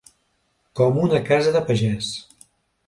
Com una casa de pagès.